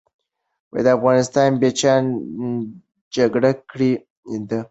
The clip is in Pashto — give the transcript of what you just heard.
د افغانستان بچیانو جګړه کړې ده.